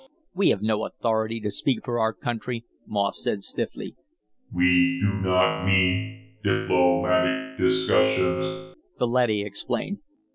"We have no authority to speak for our country," Moss said stiffly. "We do not mean diplomatic discussions," the leady explained.